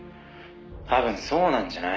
「多分そうなんじゃない？」